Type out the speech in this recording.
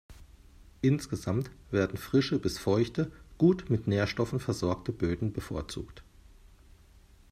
Insgesamt werden frische bis feuchte, gut mit Nährstoffen versorgte Böden bevorzugt.